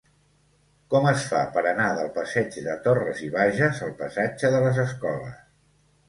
Com es fa per anar del passeig de Torras i Bages al passatge de les Escoles?